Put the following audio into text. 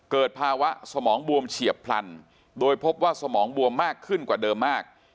เกิดภาวะสมองบวมเฉียบพลันโดยพบว่าสมองบวมมากขึ้นกว่าเดิมมาก